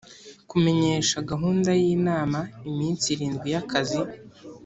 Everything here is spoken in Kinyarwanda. kumenyesha gahunda y’inama iminsi irindwi y’akazi